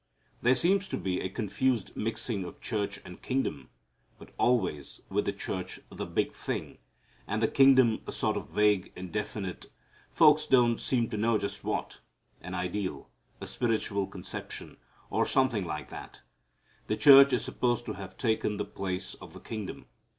There seems to be a confused mixing of church and kingdom, but always with the church the big thing, and the kingdom a sort of vague, indefinite folks don't seem to know just what an ideal, a spiritual conception, or something like that. The church is supposed to have taken the place of the kingdom.